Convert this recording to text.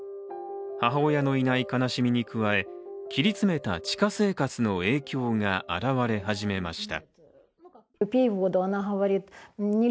母親のいない悲しみに加え切り詰めた地下生活の影響が表れ始めました。